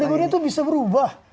public opinion itu bisa berubah